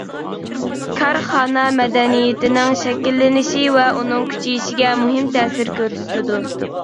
كارخانا مەدەنىيىتىنىڭ شەكىللىنىشى ۋە ئۇنىڭ كۈچىيىشىگە مۇھىم تەسىر كۆرسىتىدۇ.